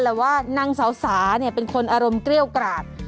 แต่ว่านางสาวสาเนี่ยเป็นคนอารมณ์เกรี้ยวกราด